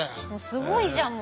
すごいじゃん。